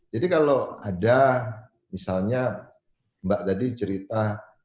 jadi kalau ada misalnya mbak tadi cerita